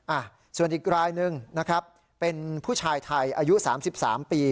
อ่ะส่วนอีกรายหนึ่งนะครับเป็นผู้ชายไทยอายุสามสิบสามปี